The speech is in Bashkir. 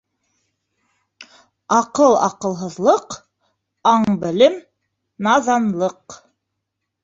Аҡыл, аҡылһыҙлыҡ; ан-белем, наҙанлыҡ